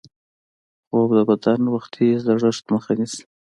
خوب د بدن وختي زړښت مخه نیسي